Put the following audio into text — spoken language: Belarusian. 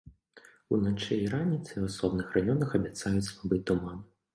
Уначы і раніцай у асобных раёнах абяцаюць слабы туман.